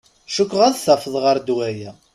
Cukkeɣ ad tafeḍ ɣer ddwa-ya.